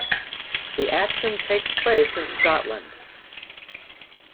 The action takes place in Scotland.